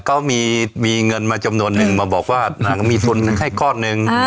ก็มีเงินมาอยู่จำนวนนึงมาบอกแบบนางมีทุนให้ข้อนึง